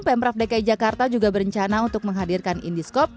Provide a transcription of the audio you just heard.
pemprov dki jakarta juga berencana untuk menghadirkan indiscope